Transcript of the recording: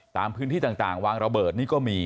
ตามพื้นที่ต่างวางระเบิดนี่ก็มี